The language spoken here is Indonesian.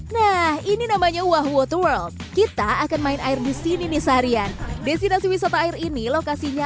nah ini namanya wah water world kita akan main air di sini nih seharian destinasi wisata air ini lokasinya